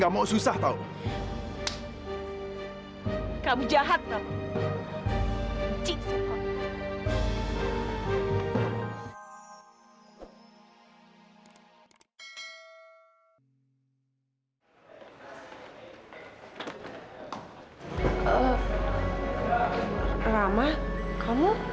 kamu harus bisa rai